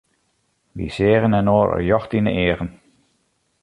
Wy seagen inoar rjocht yn 'e eagen.